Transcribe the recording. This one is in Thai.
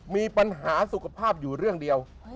มีปัญหาสุขภาพอยู่เรื่องเดียว